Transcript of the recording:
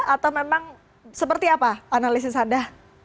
atau memang seperti apa analisis anda